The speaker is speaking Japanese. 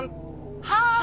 はい。